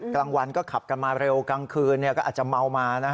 กลางวันก็ขับกันมาเร็วกลางคืนก็อาจจะเมามา